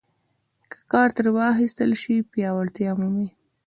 که کار ترې واخیستل شي پیاوړتیا مومي.